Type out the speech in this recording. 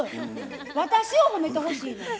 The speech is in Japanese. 私を褒めてほしいのよ。